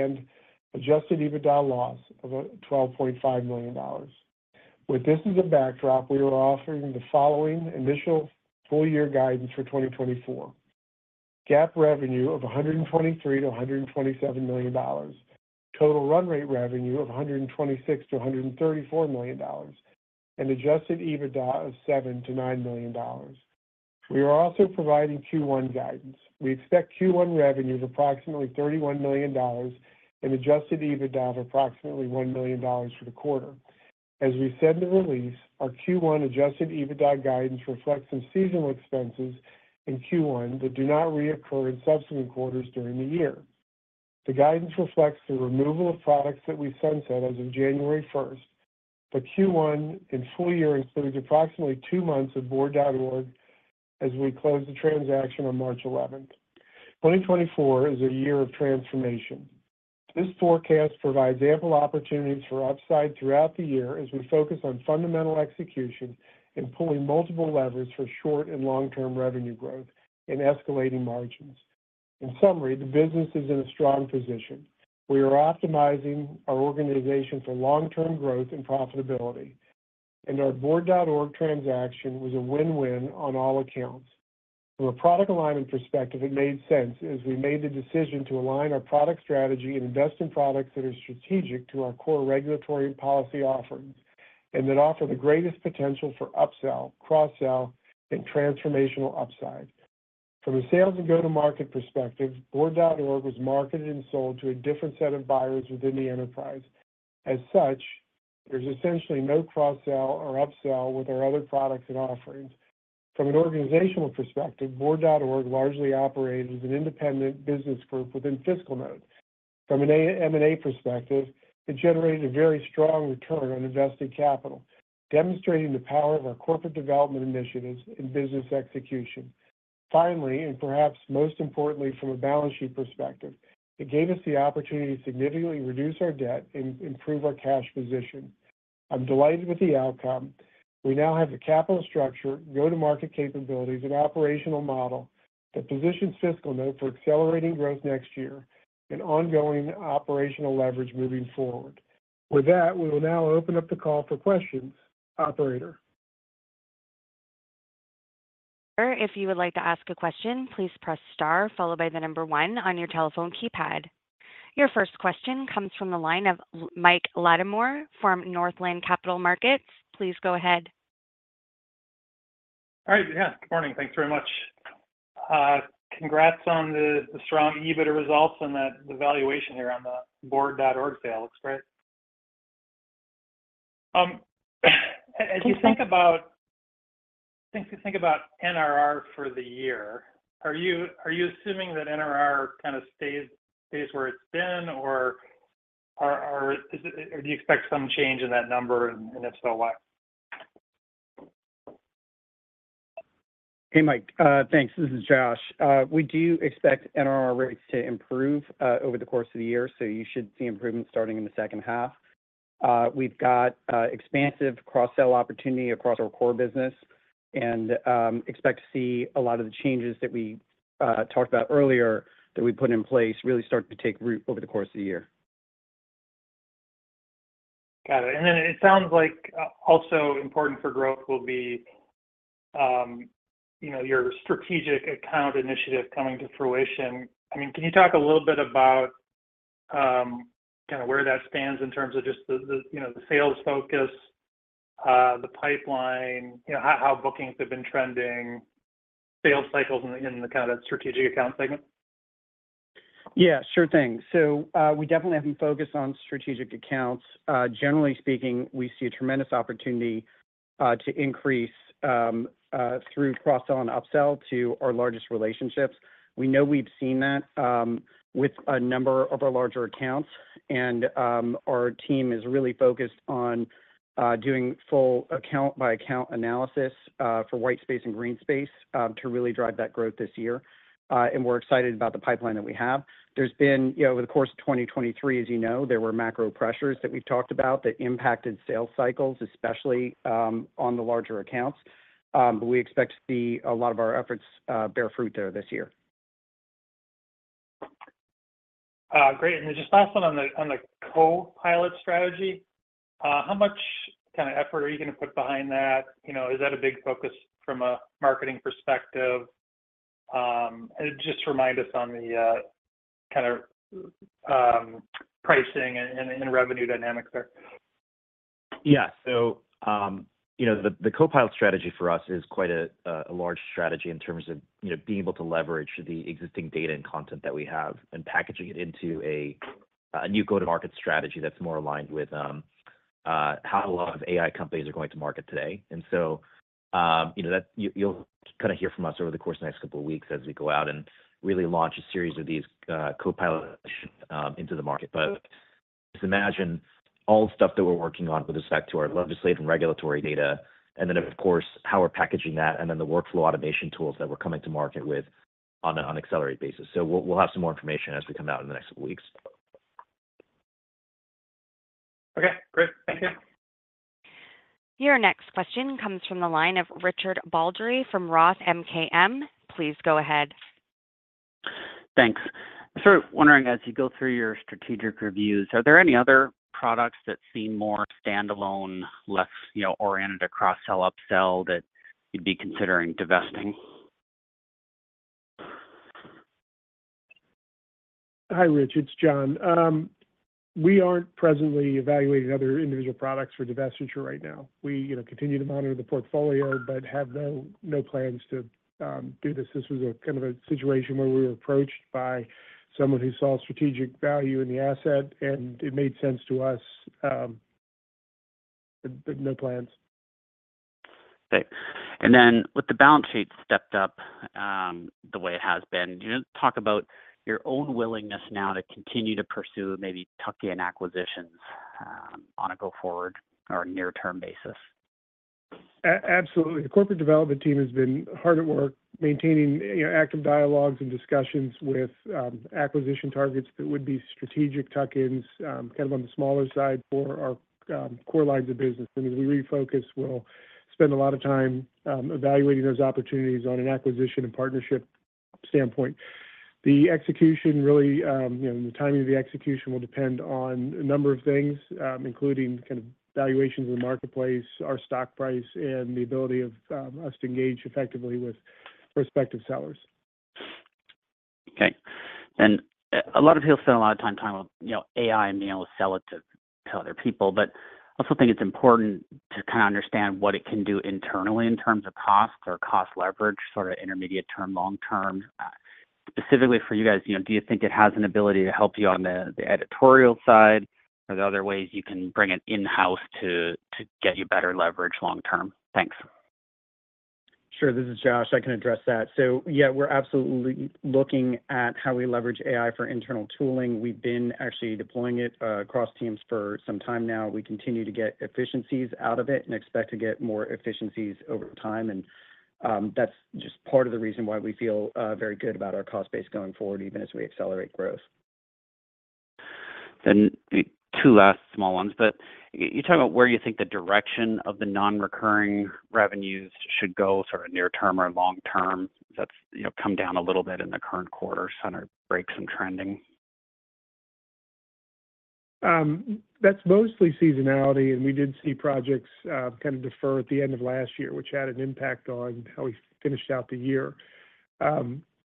and Adjusted EBITDA loss of $12.5 million. With this as a backdrop, we are offering the following initial full year guidance for 2024: GAAP revenue of $123 million-$127 million, total run-rate revenue of $126 million-$134 million, and Adjusted EBITDA of $7 million-$9 million. We are also providing Q1 guidance. We expect Q1 revenue of approximately $31 million and Adjusted EBITDA of approximately $1 million for the quarter. As we said in the release, our Q1 Adjusted EBITDA guidance reflects some seasonal expenses in Q1 that do not reoccur in subsequent quarters during the year. The guidance reflects the removal of products that we sunset as of January 1st. But Q1 and full year includes approximately two months of board.org as we close the transaction on March 11th. 2024 is a year of transformation. This forecast provides ample opportunities for upside throughout the year as we focus on fundamental execution and pulling multiple levers for short and long-term revenue growth and escalating margins. In summary, the business is in a strong position. We are optimizing our organization for long-term growth and profitability. And our board.org transaction was a win-win on all accounts. From a product alignment perspective, it made sense as we made the decision to align our product strategy and invest in products that are strategic to our core regulatory and policy offerings and that offer the greatest potential for upsell, cross-sell, and transformational upside. From a sales and go-to-market perspective, board.org was marketed and sold to a different set of buyers within the enterprise. As such, there's essentially no cross-sell or upsell with our other products and offerings. From an organizational perspective, board.org largely operated as an independent business group within FiscalNote. From an M&A perspective, it generated a very strong return on invested capital, demonstrating the power of our corporate development initiatives and business execution. Finally, and perhaps most importantly, from a balance sheet perspective, it gave us the opportunity to significantly reduce our debt and improve our cash position. I'm delighted with the outcome. We now have the capital structure, go-to-market capabilities, and operational model that positions FiscalNote for accelerating growth next year and ongoing operational leverage moving forward. With that, we will now open up the call for questions. Operator.
Sure. If you would like to ask a question, please press star followed by the number one on your telephone keypad. Your first question comes from the line of Mike Latimore from Northland Capital Markets. Please go ahead.
All right. Yeah. Good morning. Thanks very much. Congrats on the strong EBITDA results and the valuation here on the board.org sale. Looks great. As you think about NRR for the year, are you assuming that NRR kind of stays where it's been, or do you expect some change in that number, and if so, why?
Hey, Mike. Thanks. This is Josh. We do expect NRR rates to improve over the course of the year, so you should see improvements starting in the second half. We've got expansive cross-sell opportunity across our core business and expect to see a lot of the changes that we talked about earlier that we put in place really start to take root over the course of the year.
Got it. And then it sounds like also important for growth will be your strategic account initiative coming to fruition. I mean, can you talk a little bit about kind of where that stands in terms of just the sales focus, the pipeline, how bookings have been trending, sales cycles in the kind of that strategic account segment?
Yeah. Sure thing. So we definitely have been focused on strategic accounts. Generally speaking, we see a tremendous opportunity to increase through cross-sell and upsell to our largest relationships. We know we've seen that with a number of our larger accounts. And our team is really focused on doing full account-by-account analysis for white space and green space to really drive that growth this year. And we're excited about the pipeline that we have. There's been, over the course of 2023, as you know, there were macro pressures that we've talked about that impacted sales cycles, especially on the larger accounts. But we expect to see a lot of our efforts bear fruit there this year.
Great. And then just last one on the Copilot strategy. How much kind of effort are you going to put behind that? Is that a big focus from a marketing perspective? And just remind us on the kind of pricing and revenue dynamics there.
Yeah. So the Copilot strategy for us is quite a large strategy in terms of being able to leverage the existing data and content that we have and packaging it into a new go-to-market strategy that's more aligned with how a lot of AI companies are going to market today. And so you'll kind of hear from us over the course of the next couple of weeks as we go out and really launch a series of these Copilots into the market. But just imagine all the stuff that we're working on with respect to our legislative and regulatory data, and then, of course, how we're packaging that, and then the workflow automation tools that we're coming to market with on an accelerated basis. So we'll have some more information as we come out in the next couple of weeks.
Okay. Great. Thank you.
Your next question comes from the line of Richard Baldry from Roth MKM. Please go ahead.
Thanks. Sort of wondering, as you go through your strategic reviews, are there any other products that seem more standalone, less oriented to cross-sell, upsell that you'd be considering divesting?
Hi, Rich. It's Jon. We aren't presently evaluating other individual products for divestiture right now. We continue to monitor the portfolio but have no plans to do this. This was kind of a situation where we were approached by someone who saw strategic value in the asset, and it made sense to us, but no plans.
Okay. And then with the balance sheet stepped up the way it has been, talk about your own willingness now to continue to pursue maybe tuck-in acquisitions on a go-forward or near-term basis?
Absolutely. The corporate development team has been hard at work maintaining active dialogues and discussions with acquisition targets that would be strategic tuck-ins kind of on the smaller side for our core lines of business. As we refocus, we'll spend a lot of time evaluating those opportunities on an acquisition and partnership standpoint. The execution, really, the timing of the execution will depend on a number of things, including kind of valuations in the marketplace, our stock price, and the ability of us to engage effectively with prospective sellers.
Okay. And a lot of people spend a lot of time talking about AI and being able to sell it to other people. But I also think it's important to kind of understand what it can do internally in terms of costs or cost leverage, sort of intermediate term, long term. Specifically for you guys, do you think it has an ability to help you on the editorial side, or are there other ways you can bring it in-house to get you better leverage long term? Thanks.
Sure. This is Josh. I can address that. So yeah, we're absolutely looking at how we leverage AI for internal tooling. We've been actually deploying it across teams for some time now. We continue to get efficiencies out of it and expect to get more efficiencies over time. That's just part of the reason why we feel very good about our cost base going forward, even as we accelerate growth.
Two last small ones. You talk about where you think the direction of the non-recurring revenues should go, sort of near-term or long term. Does that come down a little bit in the current quarter center breaks and trending?
That's mostly seasonality. We did see projects kind of defer at the end of last year, which had an impact on how we finished out the year.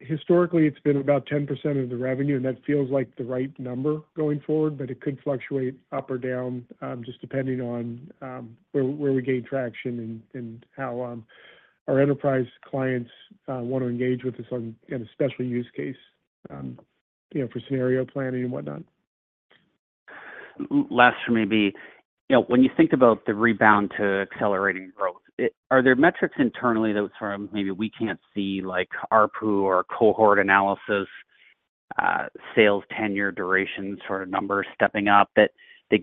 Historically, it's been about 10% of the revenue, and that feels like the right number going forward. But it could fluctuate up or down just depending on where we gain traction and how our enterprise clients want to engage with us on a special use case for scenario planning and whatnot.
Last for me would be, when you think about the rebound to accelerating growth, are there metrics internally that sort of maybe we can't see, like ARPU or cohort analysis, sales tenure duration, sort of numbers stepping up that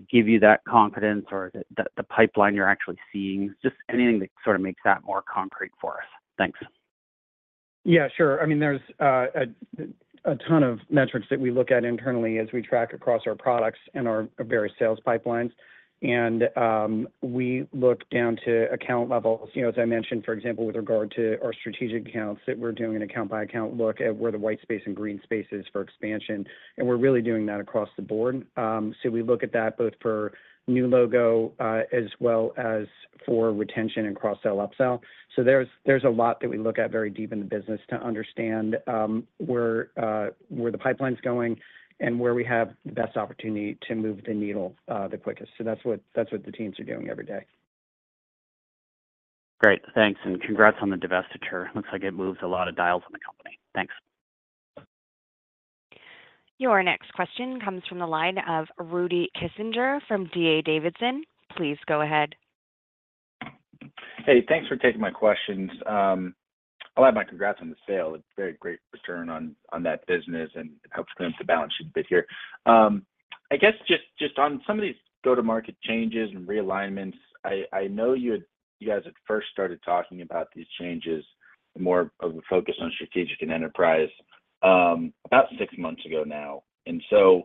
give you that confidence, or the pipeline you're actually seeing? Just anything that sort of makes that more concrete for us. Thanks.
Yeah. Sure. I mean, there's a ton of metrics that we look at internally as we track across our products and our various sales pipelines. And we look down to account levels. As I mentioned, for example, with regard to our strategic accounts that we're doing an account-by-account look at where the white space and green space is for expansion. And we're really doing that across the board. So we look at that both for new logo as well as for retention and cross-sell, upsell. So there's a lot that we look at very deep in the business to understand where the pipeline's going and where we have the best opportunity to move the needle the quickest. So that's what the teams are doing every day.
Great. Thanks. And congrats on the divestiture. Looks like it moves a lot of dials in the company. Thanks.
Your next question comes from the line of Rudy Kessinger from D.A. Davidson. Please go ahead.
Hey. Thanks for taking my questions. I'll have my congrats on the sale. A very great return on that business, and it helps clean up the balance sheet a bit here. I guess just on some of these go-to-market changes and realignments, I know you guys had first started talking about these changes more of a focus on strategic and enterprise about six months ago now. And so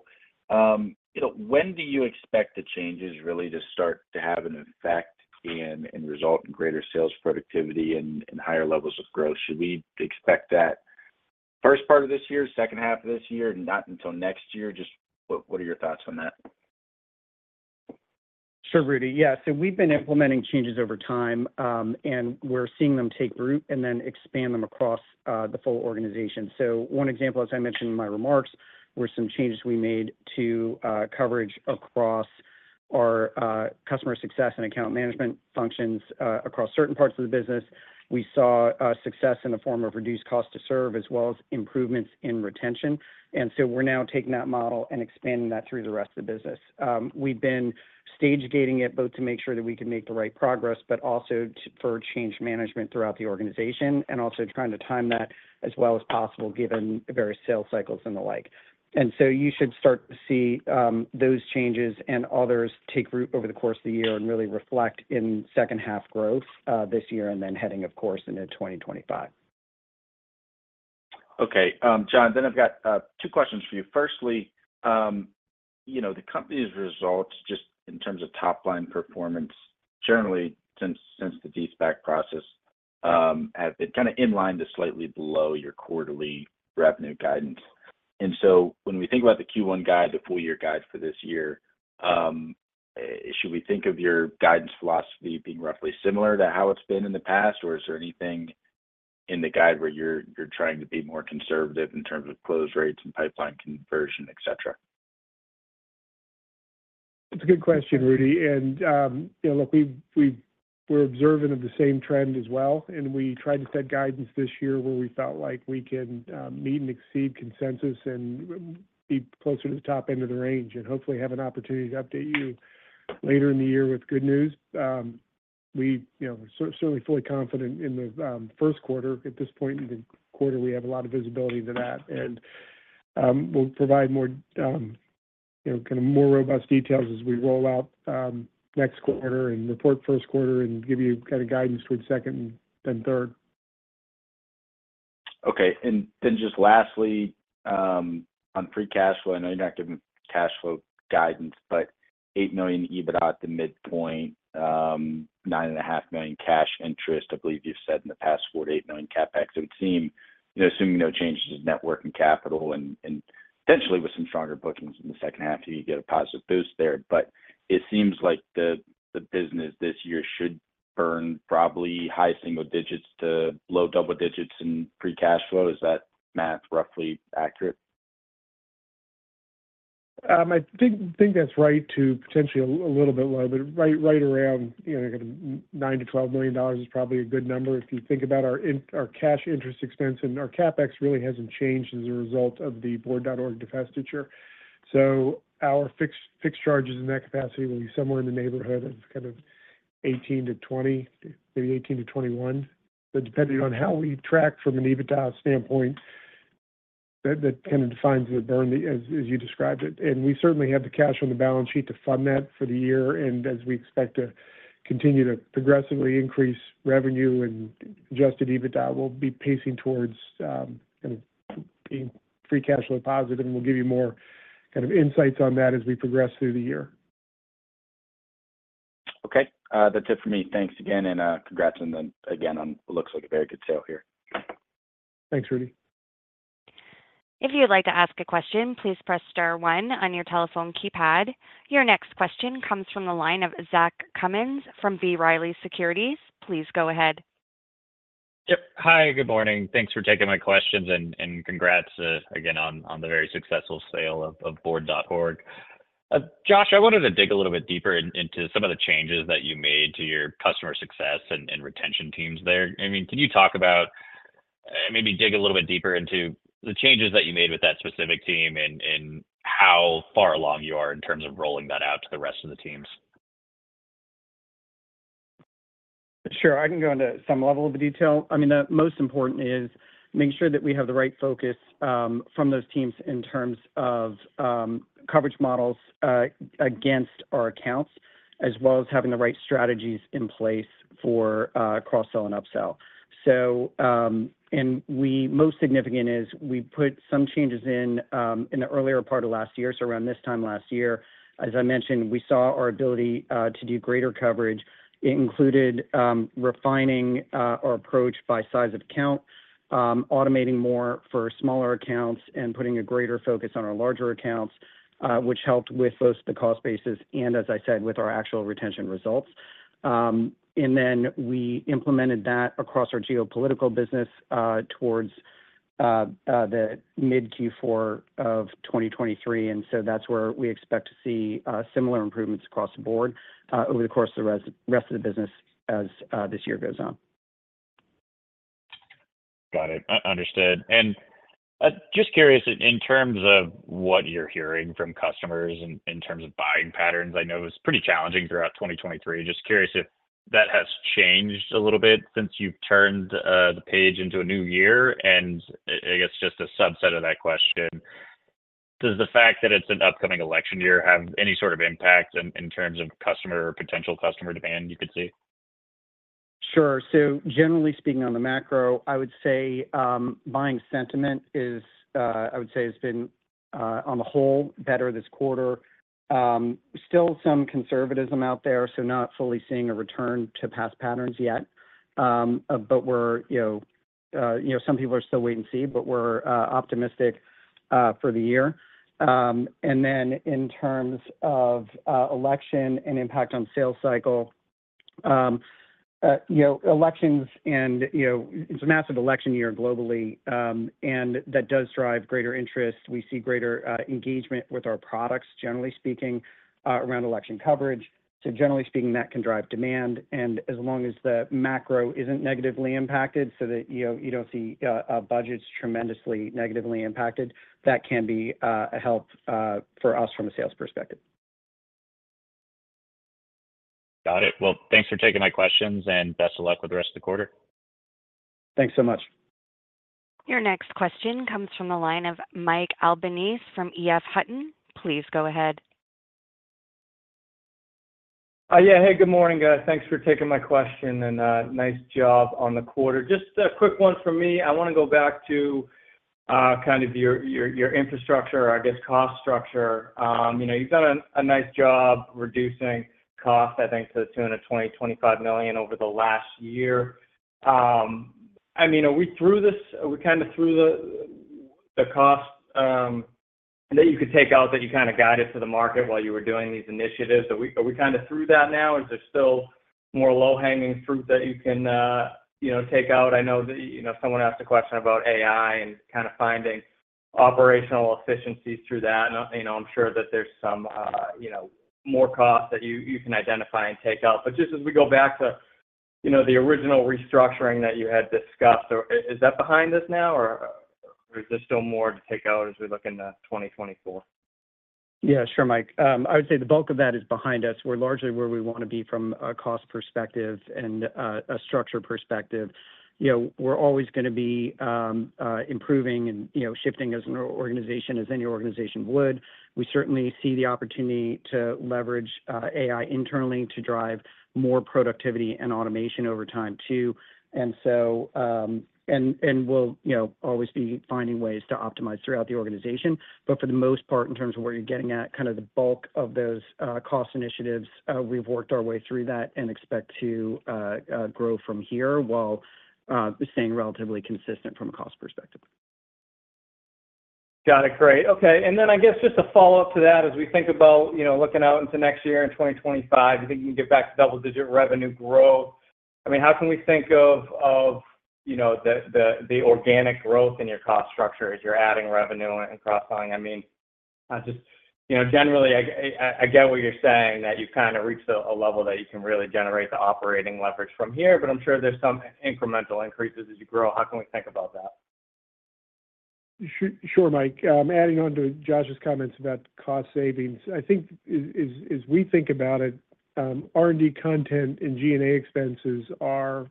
when do you expect the changes really to start to have an effect and result in greater sales productivity and higher levels of growth? Should we expect that first part of this year, second half of this year, not until next year? Just what are your thoughts on that?
Sure, Rudy. Yeah. So we've been implementing changes over time, and we're seeing them take root and then expand them across the full organization. So one example, as I mentioned in my remarks, were some changes we made to coverage across our customer success and account management functions across certain parts of the business. We saw success in the form of reduced cost to serve as well as improvements in retention. And so we're now taking that model and expanding that through the rest of the business. We've been stage-gating it both to make sure that we can make the right progress but also for change management throughout the organization and also trying to time that as well as possible given various sales cycles and the like. And so you should start to see those changes and others take root over the course of the year and really reflect in second-half growth this year and then heading, of course, into 2025.
Okay. Jon, then I've got two questions for you. Firstly, the company's results, just in terms of top-line performance, generally, since the de-SPAC process, have been kind of in line to slightly below your quarterly revenue guidance. And so when we think about the Q1 guide, the full-year guide for this year, should we think of your guidance philosophy being roughly similar to how it's been in the past, or is there anything in the guide where you're trying to be more conservative in terms of close rates and pipeline conversion, etc.?
That's a good question, Rudy. And look, we're observant of the same trend as well. And we tried to set guidance this year where we felt like we can meet and exceed consensus and be closer to the top end of the range and hopefully have an opportunity to update you later in the year with good news. We're certainly fully confident in the first quarter. At this point in the quarter, we have a lot of visibility into that. And we'll provide kind of more robust details as we roll out next quarter and report first quarter and give you kind of guidance towards second and third.
Okay. And then just lastly on free cash flow - I know you're not giving cash flow guidance - but $8 million EBITDA at the midpoint, $9.5 million cash interest, I believe you've said in the past $4 million-$8 million CapEx. It would seem, assuming no changes to net working capital and potentially with some stronger bookings in the second half, you could get a positive boost there. But it seems like the business this year should burn probably high single digits to low double digits in free cash flow. Is that math roughly accurate?
I think that's right to potentially a little bit low, but right around kind of $9 million-$12 million is probably a good number. If you think about our cash interest expense and our CapEx really hasn't changed as a result of the board.org divestiture. So our fixed charges in that capacity will be somewhere in the neighborhood of kind of $18 million-$20 million, maybe $18 million-$21 million, but depending on how we track from an Adjusted EBITDA standpoint, that kind of defines the burn as you described it. And we certainly have the cash on the balance sheet to fund that for the year. And as we expect to continue to progressively increase revenue and Adjusted EBITDA, we'll be pacing towards kind of being free cash flow positive. And we'll give you more kind of insights on that as we progress through the year.
Okay. That's it for me. Thanks again. Congrats again on what looks like a very good sale here.
Thanks, Rudy.
If you would like to ask a question, please press star one on your telephone keypad. Your next question comes from the line of Zach Cummins from B. Riley Securities. Please go ahead.
Yep. Hi. Good morning. Thanks for taking my questions. Congrats again on the very successful sale of board.org. Josh, I wanted to dig a little bit deeper into some of the changes that you made to your customer success and retention teams there. I mean, can you talk about and maybe dig a little bit deeper into the changes that you made with that specific team and how far along you are in terms of rolling that out to the rest of the teams?
Sure. I can go into some level of detail. I mean, the most important is make sure that we have the right focus from those teams in terms of coverage models against our accounts as well as having the right strategies in place for cross-sell and upsell. Most significant is we put some changes in the earlier part of last year, so around this time last year. As I mentioned, we saw our ability to do greater coverage. It included refining our approach by size of account, automating more for smaller accounts, and putting a greater focus on our larger accounts, which helped with both the cost bases and, as I said, with our actual retention results. Then we implemented that across our geopolitical business towards the mid-Q4 of 2023. And so that's where we expect to see similar improvements across the board over the course of the rest of the business as this year goes on.
Got it. Understood. And just curious, in terms of what you're hearing from customers and in terms of buying patterns, I know it was pretty challenging throughout 2023. Just curious if that has changed a little bit since you've turned the page into a new year. And I guess just a subset of that question, does the fact that it's an upcoming election year have any sort of impact in terms of customer or potential customer demand you could see?
Sure. So generally speaking, on the macro, I would say buying sentiment, I would say, has been on the whole better this quarter. Still some conservatism out there, so not fully seeing a return to past patterns yet. But some people are still wait and see, but we're optimistic for the year. And then in terms of election and impact on sales cycle, elections and it's a massive election year globally, and that does drive greater interest. We see greater engagement with our products, generally speaking, around election coverage. So generally speaking, that can drive demand. And as long as the macro isn't negatively impacted so that you don't see budgets tremendously negatively impacted, that can be a help for us from a sales perspective.
Got it. Well, thanks for taking my questions, and best of luck with the rest of the quarter.
Thanks so much.
Your next question comes from the line of Mike Albanese from EF Hutton. Please go ahead.
Yeah. Hey. Good morning, guys. Thanks for taking my question, and nice job on the quarter. Just a quick one from me. I want to go back to kind of your infrastructure, I guess, cost structure. You've done a nice job reducing cost, I think, to the tune of $20 million-$25 million over the last year. I mean, are we through this? Are we kind of through the cost that you could take out that you kind of guided to the market while you were doing these initiatives? Are we kind of through that now? Is there still more low-hanging fruit that you can take out? I know that someone asked a question about AI and kind of finding operational efficiencies through that. And I'm sure that there's some more cost that you can identify and take out. But just as we go back to the original restructuring that you had discussed, is that behind us now, or is there still more to take out as we look into 2024?
Yeah. Sure, Mike. I would say the bulk of that is behind us. We're largely where we want to be from a cost perspective and a structure perspective. We're always going to be improving and shifting as an organization, as any organization would. We certainly see the opportunity to leverage AI internally to drive more productivity and automation over time too. And we'll always be finding ways to optimize throughout the organization. But for the most part, in terms of what you're getting at, kind of the bulk of those cost initiatives, we've worked our way through that and expect to grow from here while staying relatively consistent from a cost perspective.
Got it. Great. Okay. And then I guess just a follow-up to that, as we think about looking out into next year and 2025, you think you can get back to double-digit revenue growth. I mean, how can we think of the organic growth in your cost structure as you're adding revenue and cross-selling? I mean, just generally, I get what you're saying, that you've kind of reached a level that you can really generate the operating leverage from here. But I'm sure there's some incremental increases as you grow. How can we think about that?
Sure, Mike. Adding on to Josh's comments about cost savings, I think as we think about it, R&D content and G&A expenses are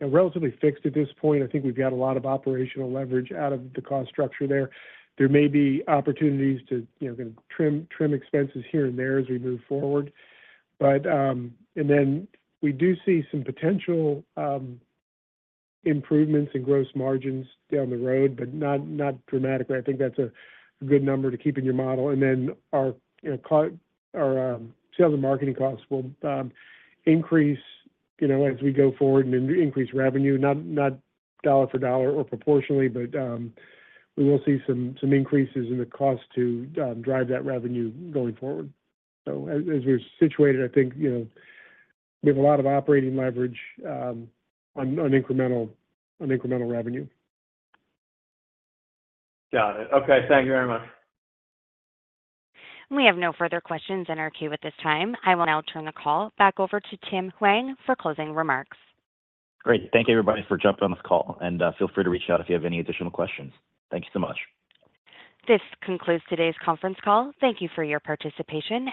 relatively fixed at this point. I think we've got a lot of operational leverage out of the cost structure there. There may be opportunities to kind of trim expenses here and there as we move forward. And then we do see some potential improvements in gross margins down the road, but not dramatically. I think that's a good number to keep in your model. And then our sales and marketing costs will increase as we go forward and increase revenue, not dollar for dollar or proportionally, but we will see some increases in the cost to drive that revenue going forward. So as we're situated, I think we have a lot of operating leverage on incremental revenue.
Got it. Okay. Thank you very much.
We have no further questions in our queue at this time. I will now turn the call back over to Tim Hwang for closing remarks.
Great. Thank you, everybody, for jumping on this call. Feel free to reach out if you have any additional questions. Thank you so much.
This concludes today's conference call. Thank you for your participation.